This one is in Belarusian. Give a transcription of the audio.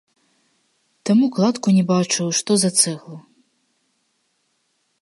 Таму кладку не бачыў і што за цэгла.